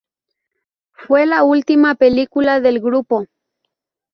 Fue la última película del grupo.